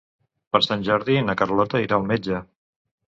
Per Sant Jordi na Carlota irà al metge.